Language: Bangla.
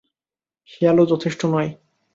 সে আলো যথেষ্ট নয়।